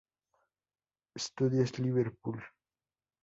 Studios, Liverpool.